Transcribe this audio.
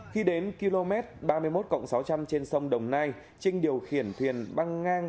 khi đến km ba mươi một sáu trăm linh trên sông đồng nai trinh điều khiển thuyền băng ngang